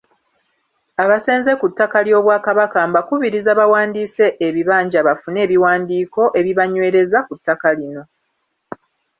Abasenze ku ttaka ly’Obwakabaka mbakubiriza bawandiise ebibanja bafune ebiwandiiko ebibanywereza ku ttaka lino.